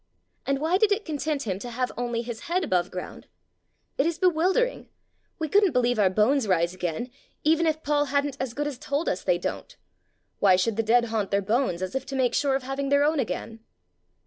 And why did it content him to have only his head above ground? It is bewildering! We couldn't believe our bones rise again, even if Paul hadn't as good as told us they don't! Why should the dead haunt their bones as if to make sure of having their own again?"